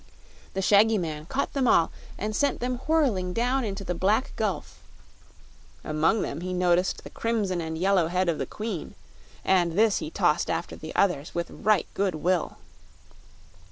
The shaggy man caught them all and sent them whirling down into the black gulf. Among them he noticed the crimson and yellow head of the Queen, and this he tossed after the others with right good will.